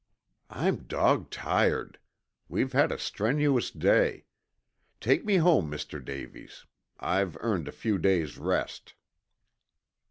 "I'm dog tired. We've had a strenuous day. Take me home, Mr. Davies. I've earned a few days' rest."